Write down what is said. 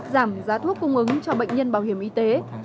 giảm giá thuốc cung ứng cho bệnh nhân bảo hiểm y tế